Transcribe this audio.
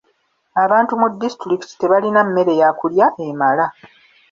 Abantu mu disitulikiti tebalina mmere ya kulya emala.